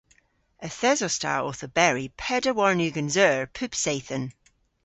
Yth esos ta owth oberi peder warn ugens eur pub seythen.